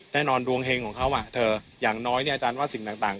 แน่นอนดวงเพ็งของเขาอย่างน้อยอาจารย์ว่าสิ่งต่าง